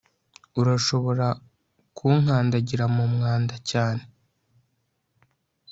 urashobora kunkandagira mu mwanda cyane